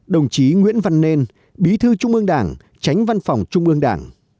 đồng chí nguyễn văn nên bí thư trung ương đảng tránh văn phòng trung ương đảng